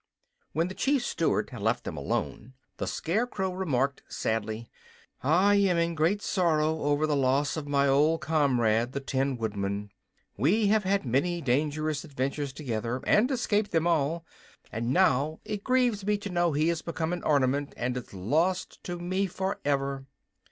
When the Chief Steward had left them alone the Scarecrow remarked, sadly: "I am in great sorrow over the loss of my old comrade, the Tin Woodman. We have had many dangerous adventures together, and escaped them all, and now it grieves me to know he has become an ornament, and is lost to me forever."